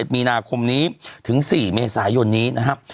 มีนาคมนี้ถึง๔เมษายนนี้นะครับ